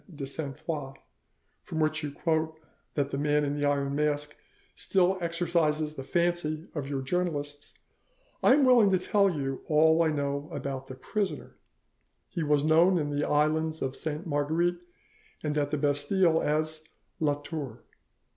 de Sainte Foix from which you quote that the Man in the Iron Mask still exercises the fancy of your journalists, I am willing to tell you all I know about the prisoner. He was known in the islands of Sainte Marguerite and at the Bastille as 'La Tour.